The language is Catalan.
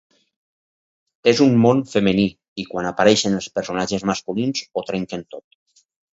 És un món femení, i quan apareixen els personatges masculins ho trenquen tot.